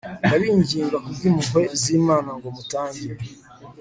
ndabinginga ku bw impuhwe z Imana ngo mutange